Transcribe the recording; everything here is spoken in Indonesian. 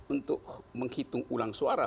untuk menghitung ulang suara